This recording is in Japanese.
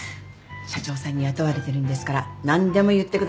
社長さんに雇われてるんですから何でも言ってください。